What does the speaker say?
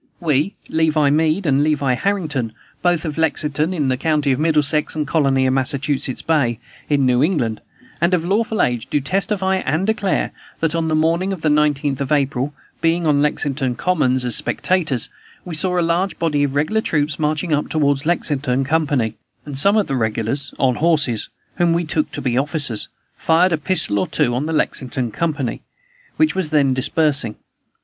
"We, Levi Mead and Levi Harrington, both of Lexington, in the county of Middlesex, and colony of Massachusetts Bay, in New England, and of lawful age, do testify and declare, that, on the morning of the 19th of April, being on Lexington commons, as spectators, we saw a large body of regular troops marching up toward the Lexington company; and some of the regulars, on horses, whom we took to be officers, fired a pistol or two on the Lexington company, which was then dispersing.